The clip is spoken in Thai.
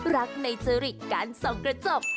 รักในสริการส่องกระจก